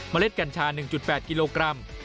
เล็ดกัญชา๑๘กิโลกรัม